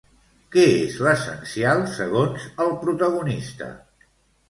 Què és l'essencial segons el protagonista?